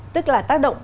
tức là tác động